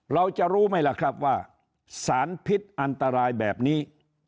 เราจะรู้ไหมล่ะครับว่าสารพิษอันตรายแบบนี้